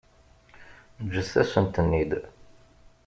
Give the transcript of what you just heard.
Ǧǧet-asent-ten-id.